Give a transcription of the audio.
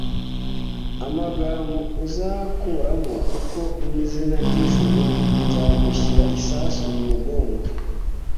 amagambo uzankuramo, kuko mwizina ryijuru, nzagushyira isasu mumugongo